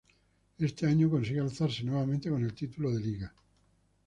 Ese año consigue alzarse nuevamente con el título de Liga.